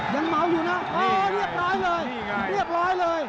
ยังมอวอยู่นะอ้าวเรียกร้ายเลย